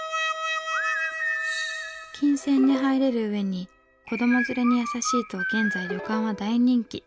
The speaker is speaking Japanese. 金泉に入れる上に「子ども連れに優しい」と現在旅館は大人気。